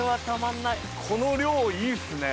この量、いいっすね。